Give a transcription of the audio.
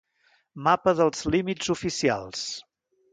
Mapa dels límits oficials.